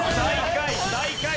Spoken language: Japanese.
最下位。